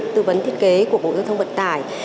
tư vấn thiết kế của bộ giao thông vận tải